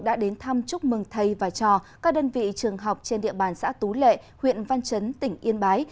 đã đến thăm chúc mừng thầy và trò các đơn vị trường học trên địa bàn xã tú lệ huyện văn chấn tỉnh yên bái